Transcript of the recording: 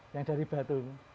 yang dari batu